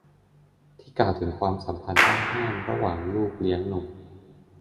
ที่กล่าวถึงความสัมพันธ์ต้องห้ามระหว่างลูกเลี้ยงหนุ่ม